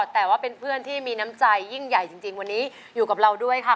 แต่ว่าเป็นเพื่อนที่มีน้ำใจยิ่งใหญ่จริงวันนี้อยู่กับเราด้วยค่ะ